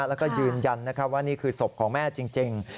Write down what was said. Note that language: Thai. แล้วก็ยืนยันว่านี่คือศพของแม่จริง